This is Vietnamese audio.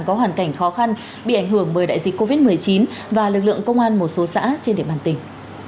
có hoàn cảnh khó khăn bị ảnh hưởng bởi đại dịch covid một mươi chín và lực lượng công an một số xã trên địa bàn tỉnh